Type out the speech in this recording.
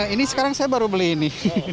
ini sekarang saya baru beli ini